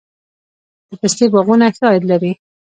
د پستې باغونه ښه عاید لري؟